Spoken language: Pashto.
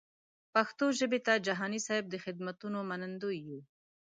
پښتو ژبې ته جهاني صېب د خدمتونو منندوی یو.